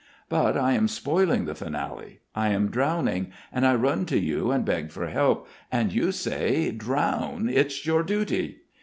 But I am spoiling the finale. I am drowning, and I run to you and beg for help, and you say: 'Drown. It's your duty.'"